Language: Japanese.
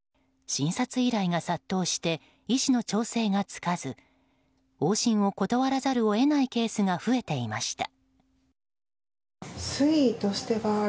診察依頼が殺到して医師の調整がつかず往診を断らざるを得ないケースが増えていました。